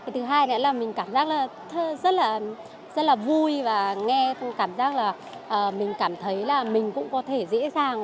thứ hai nữa là mình cảm giác rất là vui và nghe cảm giác là mình cảm thấy là mình cũng có thể dễ dàng